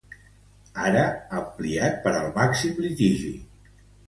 Ara, ampliat per al màxim litigi.